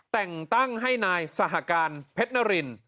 แต่งตั้งให้นายสหการเพชรนริน